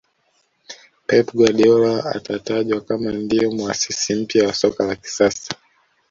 pep guardiola atatajwa kama ndio muasisi mpya wa soka la kisasa